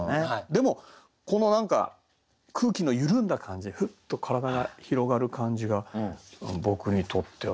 でもこの何か空気の緩んだ感じふっと体が広がる感じが僕にとっては。